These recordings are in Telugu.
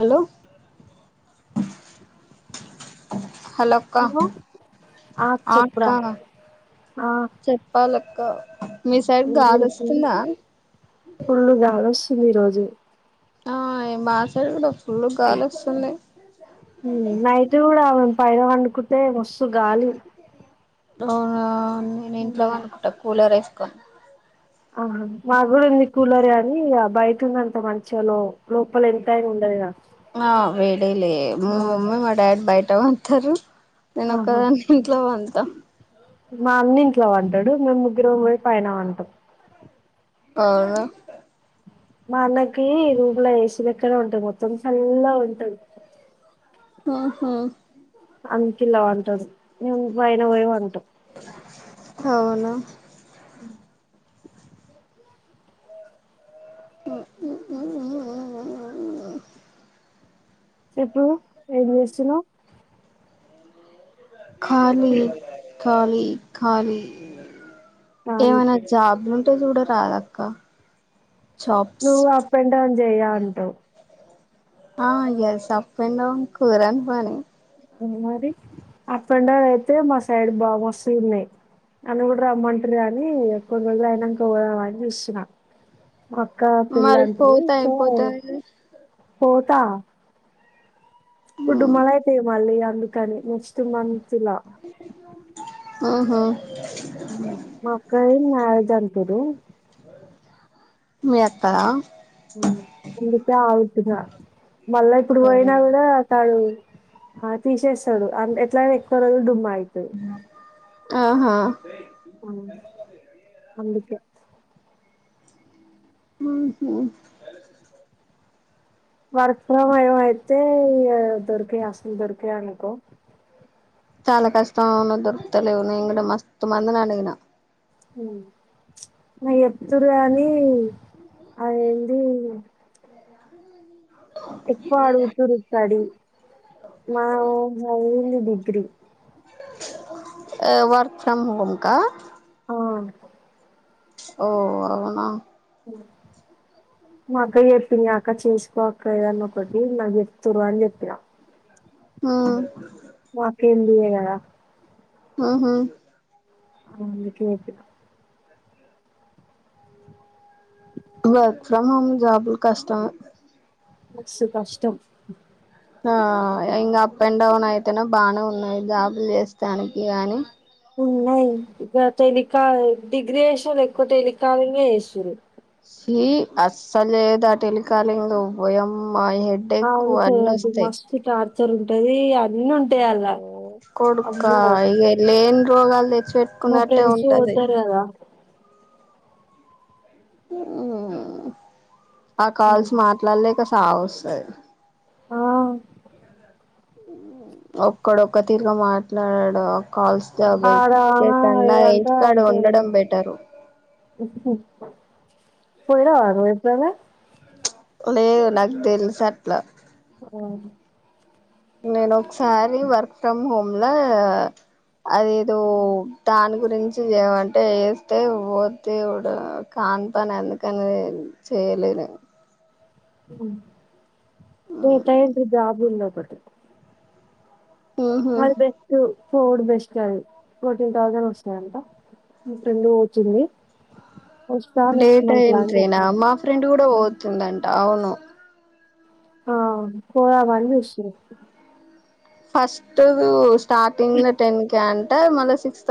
హలో హలో అక్క ఆ అక్క క ఫుల్లు గాలోస్తుంది ఈ రోజు జ ఆ ఎం బాస్ ఉమ్ నైట్ కూడా అవం పైన పండుకుంటే స్తు గాలి ఆ నేను ఇంట్లో ఉమ్, పండుకుంట కూలర్ వేస్ ప ఆహా మా కూడా ఉంది కూలర్ కాని ఇగ బయటున్నంత మంచలో ఆ వేడేలే మ ఆ మమ్మీ మా డాడ్ బయ ట పంతరు నేను ఆహా ఒక్కదాన్నె ఇంట్లో పంత్ ట మా అన్నింట్ల వంటాడు మేము ముగ్గురం పోయి పైన వంటాం అవునా మా అన్నకి రూముల ఏ సి లెక్కనే ఉంటంది మొత్తం సళ్లగఉంటుంది ఉహూ అందుకిళ్ల వంటుంది మేము పైన పోయి వంటాం అవున ఉ ఉమ్ ఉమ్ ఉమ్ ఉమ్ ఉమ్ చెప్పు ఏం చేస్తున్నావ్ ఖాళీ ఖాలీ ఖాళీ ఖాళీ ఏమన జాబ్ ల్ టే చూడరాదఅక్క నువ్ అప్ అండ్ డౌన్ చేయ ఉంట ఆ ఎస్ అప్పెన్ మరి అప్ అండ్ డౌన్ అయితే మా సైడ్ బా మస్తు ఉన్నాయి నన్ను కూడా రమ్మంటురు కాని కొన్ని రోజులు అయినంక పోదామని చూస్తున్న కగా మరి పెళ్లంటరు పోతే సో అయిపోతది ఫోర్ తా ఫుడ్డు మళ అయితే మళ్ళీ అందుకని నెస్ట్ తు మనించాలా హ్మ్ మ్ మా అక్కది మ‌్యారేజ్ అంటురు మీ అక‌్క ఉ అందుకే ఆగుతున‌్న మళ్ళ ఇప్పుడు అవును పోయినా కూడా తాడు ఆ తీసేస్తాడు అ ఎట్లైన ఎక్కువ రోజు డుమ్మాయి హ్మ్ ఆహా ఆ అందుకే హ్మ్ వర్క్ ఫ్రమ్ హోమ్ ఏ అయితే దొరికే అసలు దొరిక అనుకో చాలా కష్టం దొరుతలేవు న ఇ కూడా మస్తు మందిని అడిగిన హ్మ్ ప్చ్ ఎత్తురు కాని అదేంది ఎక్కువ అడుగు చూరుస్తాడు మా అంది డిగ్రీ వార్క్ ఫ్రమ్ హోమ్కా ఆ ఓ అవునా మా అక్క చెప్పింది అక్క చేసుకో అక్క‌ఏదన్నా ఒకటి నాకు చెప్తుర్రు అని చెప్పినా ఆ మాకేం దియ్యగాదా ఊహూ ఎందుకే [inaudible] వర్క్ ఫ్రం హోమ్ జాబులు కష్టం మస్తు కష్టం ఆ ఇంకా అప్ అండ్ డౌన్ అయితేనే బానే ఉన్నాయి జాబులు చేస్తానికి అని ఉన్నాయి ఇక టెలికాల్ డిగ్రీ చేసినోళ్ళు ఎక్కువ టెలికాలింగ్ ఏ చేస్తుర్రు ఛీ అస్సలు చేయద్దా టెలికాలింగ్ ఓయమ్ అవును చెయ్యొద్దు మస్తు టార్ చ్చర్ ఉంటది ఆ ఓ కొడుకా ఇగ లేన్ రోగాల్ దె మా ఫ్రెండ్స్ ఓతారు గదా ఊ ఆ ఉమ్. కాల్స్ మాట్లాడలేక తావొస్సా ఆ ఒక్కడు ఒక్క తీరుగా మాట్లాడడు కాల్స్ జాబ్ ఆడ ఎత్తికే కన్నా ఏదంట ఇంటికాడ అంటే ఉండడం బెటరు పోయినావ [unintelligible] నాకు తెల్సు అట్లా ఆ నేను ఒకసారి వర్క్ ఫ్రమ్ హోమ్ లో అది ఇదో దాని గురించి చేమంటే వస్తే పోతే ఇడు కాన్ పని ఎందుకని చేయలేనెమో హ్మ్ టూ టైమ్స్ జాబ్ వెళ్ళావ్ పొట్టి ఉహు అది బెస్టు ఫోర్డ్ బెస్ట్ కాదు ఫోర్టీన్ థౌసండ్ వస్తాయంట మా ఫ్రెండ్ కి వచ్చింది డేటా ఎంట్రీనా మా ఫ్రెండ్ కూడా పోతుందంట. అవును. ఆ పోదామని చూస్తున. ఫస్ట్ స్టార్టింగ్ లో టెన్ కె అంట టే మళ్ళ సిక్స్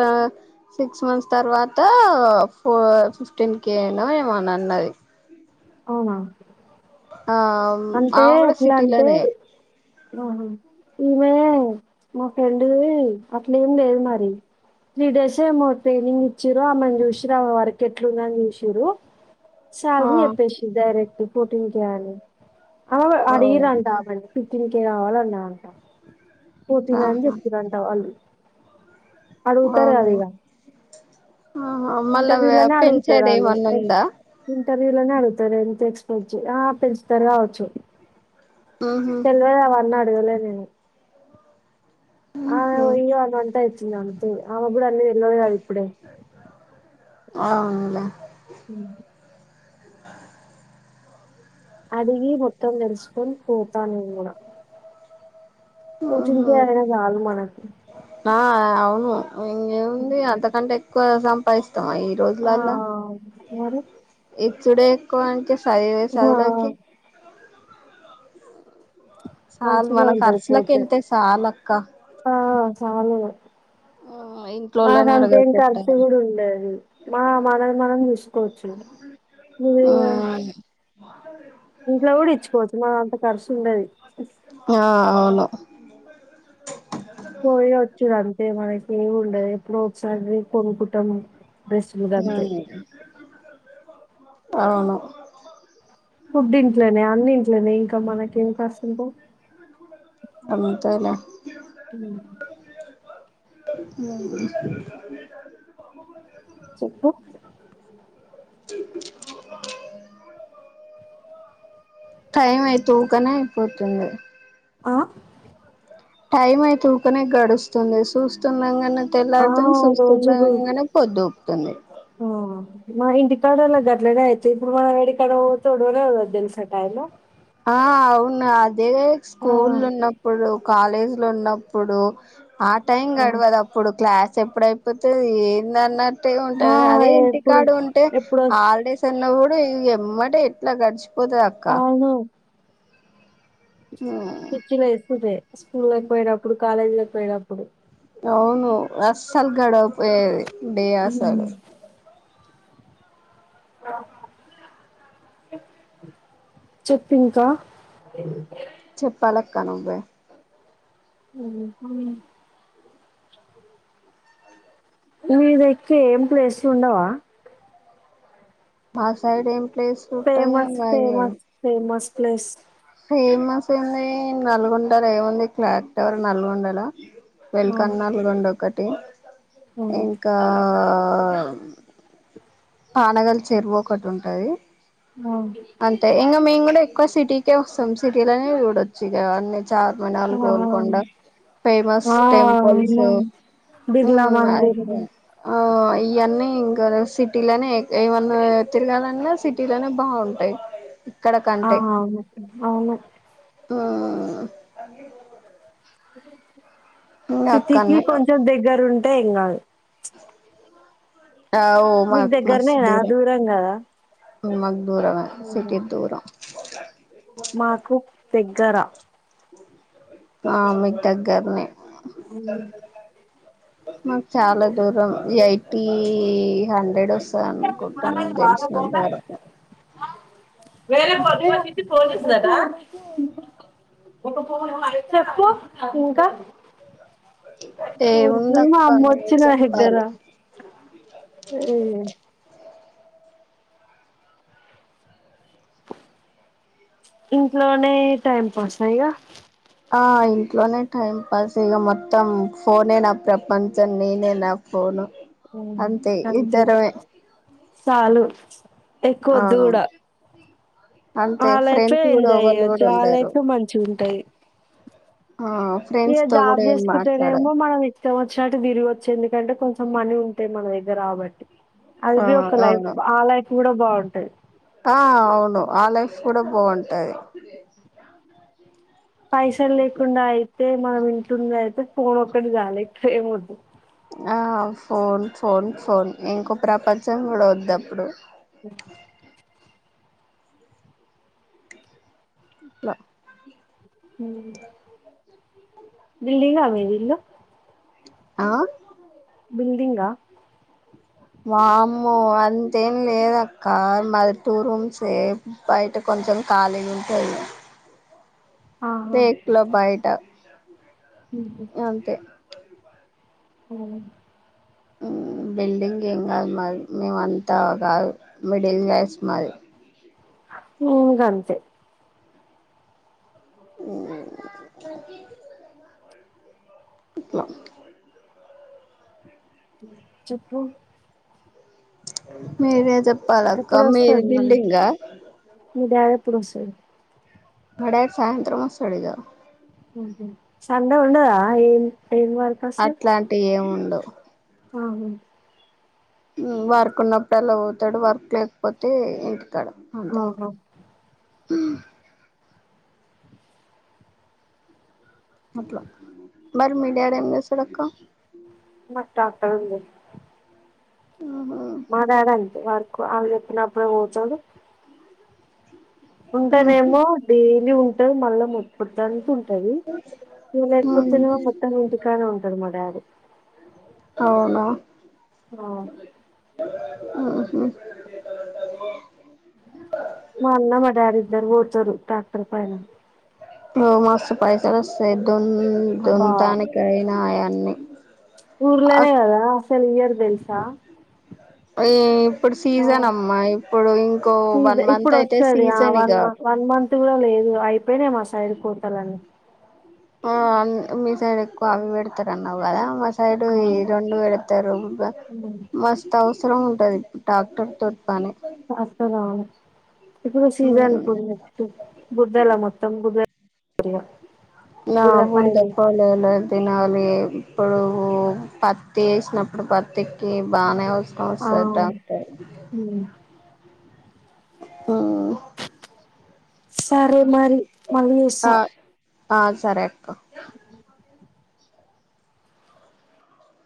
సిక్స్ మంత్స్ తర్వాత ఫో ఫిఫ్టీన్ కే నో ఏమో అన్నది. అవునా ఆ అంటే ఆమె కూడా ఎట్లా అంటే సిటీలోనే ఆహ ఈమె మా ఫ్రెండు అట్లే ఏం లేదు మరి త్రీ డేస్ ఏమో ట్రైనింగ్ ఇచ్చారు ఆమెని చూసిరు వర్క్ ఎట్లుందని చూసిన్రు ఆ సాలరీయే [unintelligible] డైరెక్ట్ ఫోర్టీన్ చెయ్యాలి [unintelligible] ఓ ఆది ఈరంట మళ్ళీ [inaudible] తిన్ కే రావాలన్నా అంట ఫోర్టీన్ అని ఆహా చెప్పిర్రంట వాళ్ళు అడుగుతారు గద అవును ఇగ ఆహా మళ్ళా వే ఇంటర్వ్యూలోనే పెంచేది ఎమన్నుందా వ్యూలనే అడుగుతారు ఎంత ఎక్స్పె చే ఆ పెంచుతారు కావచ్చు ఉహు తెల్వదా వన్నా [inaudible] లే నేను ఆమె బొయ్యి అదంతా [inaudible] [unintelligible] అమెకు కూడా అన్నీ తెల్వదు కద ఇప్పుడే అవునులే అడిగి మో తమ్ తెలుసుకొని పోతా నేను కూడా కూూటిక ఉహు అయనా జాలు మనకి ఆ అవును ఇంకేముంది అంతకంటే ఎక్కువ సంపాయిస్థ్ తయి ఈ ఆ రోజులల్ల మరి ఇచ్చడే ఎక్కువ అంటే సయి వ ఆ సగుల చాలు మంచిగా మన ఉంటది ఖర్చులలకు పోతే వెళ్తేా చాలక్క మాకు అంతేం అడగకుట్ట కర్సి కూడా ఉండేది మా మనది మనం తీసుకోవచ్చు మీది మాత ఇంట్లో కూడా ఇచ్చుకోవచ్చు మన అంత ఖర్చు ఉండది ఫలో పోయి వచ్చది అంతే మనకి ఏమి ఉండదు ఎప్పుడు ఒకసారి కొనుకుంటాం రస్ ముగాంంచ ఉమ్ అవును కుబ్ నింట్లేనే అన్ని అనే ఇంకా మనకి ఇంకా ఇంబో అంతనే లే చెప్పు టైం అయితుకనే అయిపోతుంది ఆ టైం అయి తఊకనే గడుస్తుంది చూస్తున్నాం క ఆ తెల్లార్తం రోజులు చూస్తుండగానే పొద్దుూపుతుంది ఆ మా ఇంటి కాడలా రలు నయితే ఇప్పుడు మన వెేడి కాడ తడరద్దలు సటాయలో ఆ అవును అ అదే ఆ స్కూల్ ఉన్నప్పుడు కాలేజీ లో ఉన్నప్పుడు ఆ టైం ఆ గడవదు అప్పుడు క్లాస్ చెప్పుడైపోతే ఏందన్నా టే ఆ ఉంటది అదే ఇంటి ఎప్పుడు కాడ ఉంటే ఎప్పుడు వస్ హాలిడేస్ అన్నా కూ ఎ ఎంబటే ఎట్ల గడ్చ్ పొతది అక్కా శిశిర వస్తది స్కూల్ లోకి పోయినప్పుడు కాలేజీలోకి పోయినప్పుడు అవును అస్సలు గడవక పోయేది బే ఆసలు చెప్పు ఇంకా చెప్పాలక్క నువ్వే మీ దక్క ఏం ప్లేస్లుండవా మా సైడ్ ఏమ్ famous famous famous place famous ఏంది నల్గొండల ఏముంది క్లాక్ టవర్ నల్గొండల ఆ వెల్కన్నాల్రెండొకట్ ఓ ఆ ఇంకా ఆ పానగల చెరువు ఒకటి ఉంటది ఆ అంతే ఇంగ మేం గు ఇ ఎక్కువ సిటీకే వస్తాం సిటీలోనే చూడొచ్చు ఇకా అన్ చార్మినల్ ఆ గోల్కొండ ఫేమస్ ఆ టెంపుల్స్ అవును బిర్లా మ్ మందిర్ అ ఇఅన్నీ ఇంకా సి తిలానే ఏమన్నా తిరగలన్నా సిటీలోనే బాగుం అయ్ ఆ అవును అవును ఆ సిటికి కొంచెం దగ్గర ఉంటె ఎం కద్ అవ్ నీకు మాకు దగ్గరనేనా దూరం కదా ఉ దూరమ సిటీ దూరం మాకు దగ్గర ఆ మీ దగ్గరని అ మ చాల ూరం ఈ ఐటి హండ్రెడ్ వస్తుంది అ కుట్టన తెలిసినంతర వేర బధ అన్న పోనుంది ఇంకా రుకు ఏముంది మా అక్క అమ్మ నువ్వే వచ్చిన ఇద్దర చెప్పాలి ఏ ఇంట్లోనే టైం పాస్ అ్యగా ఆ ఇంట్లోనే టైం పాస్ ఇక మొత్తం ఫోనే నా ప్రపంచం నేనే నా ఫోను హ్మ్. అంతే అంతే ఇద్దారవే చాలు ఎక్కువ వద్దు కూడా అంతే ఆ లైఫే ఫ్రెండ్స్ కూడా ఎంజాయ్ ఎవళ్ళు అయ్యొచ్చు కూడా ఆ ఉండరు లైఫే మంచి ఉంటాయి ఆ ఇ ఫ్రెండ్స్ తో జాబ్ కూడా ఏం మాట్లాడ చేసుకుంటేనేమో మనం ఇష్టం వచ్చినట్టు తిరిగి వచ్చే ఎందుకంటే కొంచెం ం మనీ ఉంటాయి మన దగ్గర రాబట్టి అది ఆ బ ఒక లైఫ్ అవును ఆ లైఫ్ కూడా బాగుంటది ఆ అవును ఆ లైఫ్ కూడా బాగుంటుంది పైసలు అట్లా లేకుండాయి తె మన వింటయతే పోోన్ ఒక్కడ జాల ట్రే మ ఆ ఫోన్ ఫోన్ ఫోన్ ఇంకో ప్రపంచం కూడా వద్ద అప్పుడు అ ఇలా హ బిల్డింగ్ అ పోలో ఆ ఉల్దిీంగా వామ్మో అంతేం లేద అక్క మాది టూ రూమ్సయే బయట కొంచెం ఖాళీ ఉంటాది ఆహా దకులో బాయటా అంతే అఓ మ్ బిల్డింగ్ ఏం కాదు మరి మేము అంతా కాదు మిడిల్ క్లాస్ మాది ఇంగ అంతే ఇట్ల చెప్పు మీరే చెప్ ప్పాలక్క ఎప్పుడు మీది వస్తారు బిల్డింగ్ ఆ ప్పుడొస్సాది మా డాడి సాయంత్రం వొస్తాడిగ ఊహూ సండే ఉండదా ఏం ఏం వర్క్ అట్లాంటివి ఏమున్ డొ ఆహు ఊ వర్క్ ఉన్నప్పుడు అలా పోతాడు వర్క్ లేకపోతే ఇ కాడ అంతే ఆహా అట్ల మరి మీ డాడీ ఏం చేస్తాడక్క మాకు ట్రాక్టర్ ఉంది ఆహా మా డాడీ అంతే వర్కు వాళ్ళు చెప్పినప్పుడే పోతాడు ఉహు ఉంటేనేమో డైలీ ఉన్ టది మళ్ళ మొ ప్పుత్తానికి ఉంటంది ఇక ఉమ్ లేకపోతేనేమో [inaudible] ఇంటికానే ఉంటది మా డాడీ అవునా ఆ మ్ హు మా అన్న మ డాడీ ఇద్దరు కొడతారు టాక్టర్ పైన మథ్స్ పైసల్ వస్తాయి దోన్ మ్ దొంతానికయినా అయన్ని ఊర్లనే కదా స ఇయర్ తెలుసా ఈ ఇప్పుడు ఆ సీజన్ అమ్మా ఇప్పుడు ఇంకో సీజ వన్ మంత్ ఇప్పుడు అయితే వస్తది ఆ సీజన్ వన్ ఇగా మ సైడి పోతాలని ఆ మీ సైడ్ ఎక్కువ అవిబెడతార అన్నావ్ కదా మ సైడు ఈ రెండు వెడతారు ఆ మస్త్ హౌస్ [unintelligible] ఉంటది డాక్టర్ తో అసల్ రాను ఇప్పుడు సీజన్ ఇప్పుడు నెక్స్ట్ గుడ్డెల మొత్తం గుడ్ ఇగ నా గుడ్ర పయ బుడిద పోలేలు తినాలి ఇప్పుడు పత్తి వేసినప్పుడు పత్తికి బానే వస్ ఆ ఉమ్. [unintelligible] ఆ సరేలే మరి మలి చేస ఆ ఆ సరే అ